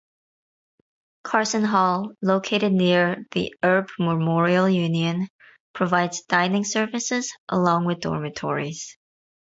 Carson Hall, located near the Erb Memorial Union, provides dining services along with dormitories.